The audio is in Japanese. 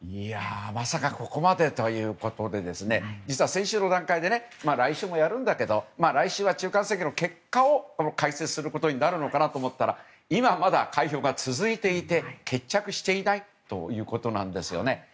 まさかここまでということで実は先週の段階で来週もやるんだけど来週は中間選挙の結果を解説することになるのかなと思ったら今まだ開票が続いていて決着していないということなんですよね。